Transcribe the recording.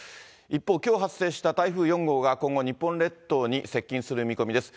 一方、きょう発生した台風４号が、今後、日本列島に接近する見込みです。